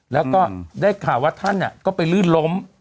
แล้วก็ได้ข่าวว่าท่านก็ไปลื่นล้ม